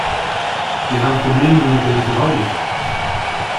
Wir haben Probleme mit der Hydraulik.